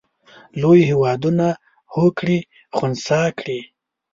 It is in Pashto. لوی هېوادونه هوکړې خنثی کړي.